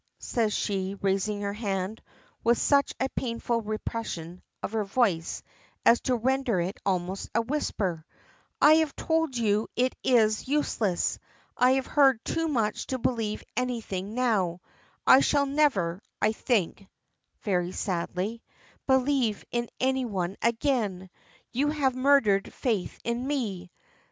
says she, raising her hand, with such a painful repression of her voice as to render it almost a whisper; "I have told you it is useless. I have heard too much to believe anything now. I shall never, I think," very sadly, "believe in any one again. You have murdered faith in me.